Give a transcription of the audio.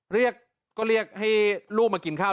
เรียกก็เรียกให้ลูกมากินข้าว